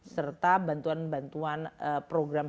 serta bantuan bantuan program